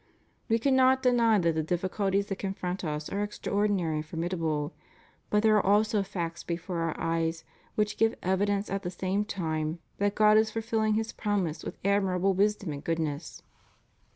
We cannot deny that the difficulties that con front us are extraordinary and formidable, but there are also facts before our eyes which give evidence, at the same time, that God is fulfilling His promises with admirable wisdom and goodness.